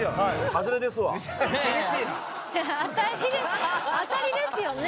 当たり当たりですよね！